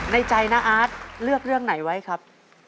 ในใจน้าอาร์ตเลือกเรื่องไหนไว้ครับ